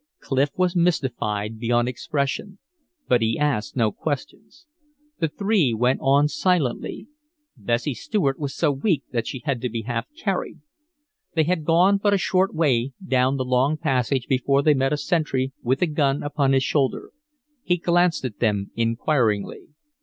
Clif was mystified beyond expression, but he asked no questions. The three went on silently. Bessie Stuart was so weak that she had to be half carried. They had gone but a short way down the long passage before they met a sentry with a gun upon his shoulder; he glanced at them inquiringly.